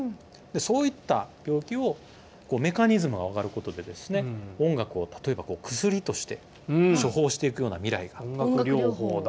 そういった病気を、メカニズムが分かることで、音楽を例えばこう、薬として処方していくような未来音楽療法だ。